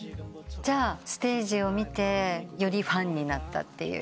じゃあステージを見てよりファンになったという。